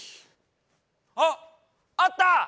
あっあった！